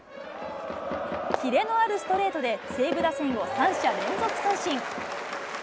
キレのあるストレートで西武打線を３者連続三振。